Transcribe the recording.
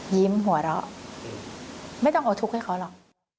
หัวเราะไม่ต้องเอาทุกข์ให้เขาหรอก